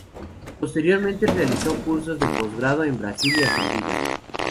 Posteriormente realizó cursos de postgrado en Brasil y Argentina.